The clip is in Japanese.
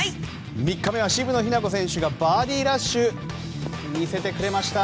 ３日目は渋野日向子選手がバーディーラッシュを見せてくれました。